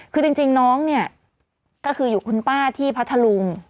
คือจริงน้องเนี่ยก็คืออยู่คุณป้าที่พัทธลุง